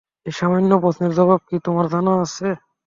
এই সামান্য প্রশ্নের জবাব কি তোমার জানা আছে?